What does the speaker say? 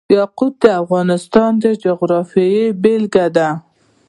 یاقوت د افغانستان د جغرافیې بېلګه ده.